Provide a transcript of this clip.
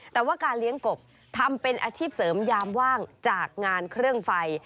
แต่ว่าการเลี้ยงกบทำเป็นอาชีพเสริมยามว่างจากงานเครื่องไฟ